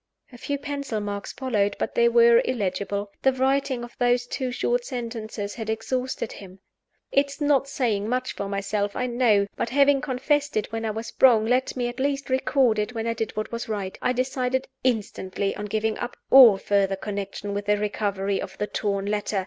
A few pencil marks followed; but they were illegible. The writing of those two short sentences had exhausted him. It is not saying much for myself, I know but, having confessed it when I was wrong, let me, at least, record it when I did what was right I decided instantly on giving up all further connection with the recovery of the torn letter.